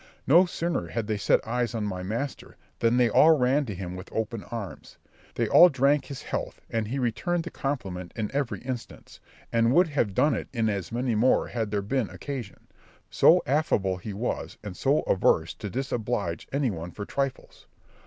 No sooner had they set eyes on my master than they all ran to him with open arms. They all drank his health, and he returned the compliment in every instance, and would have done it in as many more had there been occasion—so affable he was and so averse to disoblige any one for trifles.